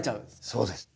そうです。